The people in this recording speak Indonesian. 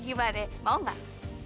gimana ya mau gak